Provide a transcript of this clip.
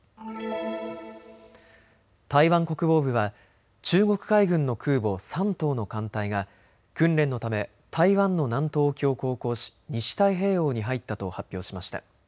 台湾国防部は中国海軍の空母、山東の艦隊が訓練のため台湾の南東沖を航行し西太平洋に入ったと発表しました。